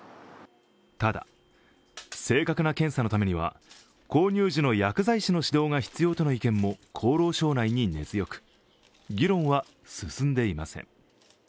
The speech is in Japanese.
ただ、正確な検査のためには購入時の薬剤師の指導が必要との意見も厚労省内に根強く議論は進んでいません。